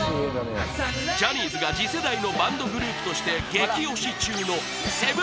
ジャニーズが次世代のバンドグループとして激推し中の「７ＭＥＮ侍」